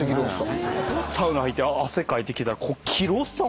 サウナ入って汗かいてきたらきるおっさん